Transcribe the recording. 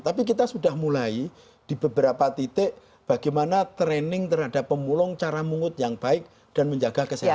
tapi kita sudah mulai di beberapa titik bagaimana training terhadap pemulung cara mungut yang baik dan menjaga kesehatan